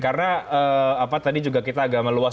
karena tadi kita juga agak meluas